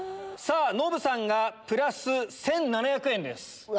さぁノブさんがプラス１７００円です。